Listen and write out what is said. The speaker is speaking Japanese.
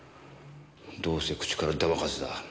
どうせ口から出まかせだ。